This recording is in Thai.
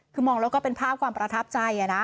คือมองแล้วก็เป็นภาพความประทับใจนะ